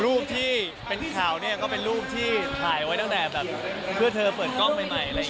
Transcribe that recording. รูปที่เป็นข่าวเนี่ยก็เป็นรูปที่หาอยู่ตั้งแต่เพื่อเธอเปิดกล้องใหม่